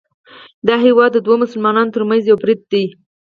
دا هیواد د دوو مسلمانانو ترمنځ یو برید دی